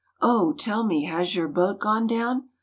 " Oh ! tell me has your boat gone down